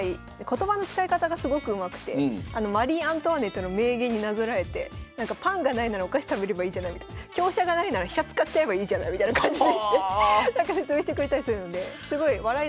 言葉の使い方がすごくうまくてマリー・アントワネットの名言になぞらえて「パンが無いならお菓子食べればいいじゃない」みたいな「香車が無いなら飛車使っちゃえばいいじゃない」みたいな感じで言って説明してくれたりするのですごい笑いながら聞きます。